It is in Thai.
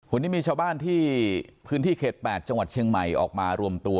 วันนี้มีชาวบ้านที่พื้นที่เขต๘จังหวัดเชียงใหม่ออกมารวมตัว